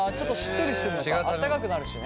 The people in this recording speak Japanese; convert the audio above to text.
あったかくなるしね。